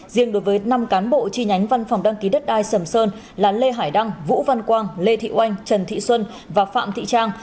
riêng đối với năm cán bộ chi nhánh văn phòng đăng ký đất đai sầm sơn là lê hải đăng vũ văn quang lê thị oanh trần thị xuân và phạm thị trang